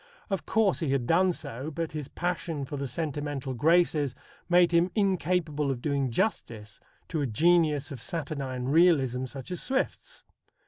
Of course he had done so, but his passion for the sentimental graces made him incapable of doing justice to a genius of saturnine realism such as Swift's.